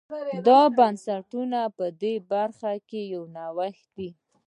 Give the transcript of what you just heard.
دا د بنسټونو په برخه کې یو نوښت دی.